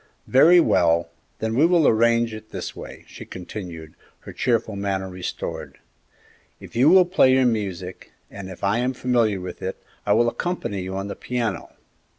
"Very well; then we will arrange it this way," she continued, her cheerful manner restored; "you will play your music, and, if I am familiar with it, I will accompany you on the piano.